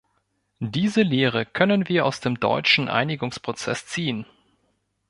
Diese Lehre können wir aus dem deutschen Einigungsprozess ziehen.